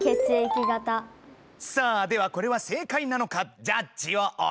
さあではこれは正解なのかジャッジをお願いします。